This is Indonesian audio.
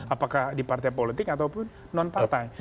apakah di partai politik ataupun non partai